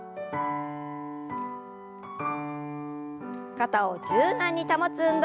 肩を柔軟に保つ運動です。